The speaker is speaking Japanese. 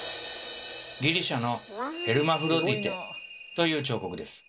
ギリシャの「ヘルマフロディテ」という彫刻です。